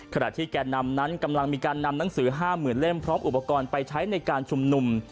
ในแก่นำนั้นกำลังมีการนำหนังสือห้าหมื่นเล่มพร้อมอุปกรณ์ไปใช้ในการชุมหนุ่ม